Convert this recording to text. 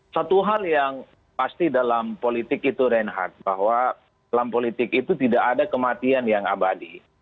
satu hal yang pasti dalam politik itu reinhardt bahwa dalam politik itu tidak ada kematian yang abadi